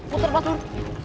putar pak gur